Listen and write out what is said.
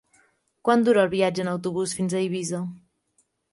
Quant dura el viatge en autobús fins a Eivissa?